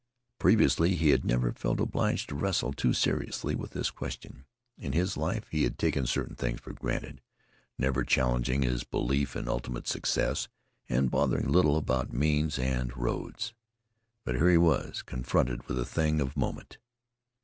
Previously he had never felt obliged to wrestle too seriously with this question. In his life he had taken certain things for granted, never challenging his belief in ultimate success, and bothering little about means and roads. But here he was confronted with a thing of moment.